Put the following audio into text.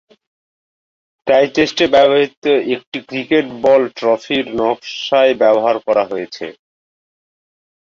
টাই টেস্টে ব্যবহৃত একটি ক্রিকেট বল ট্রফির নকশায় ব্যবহার করা হয়েছে।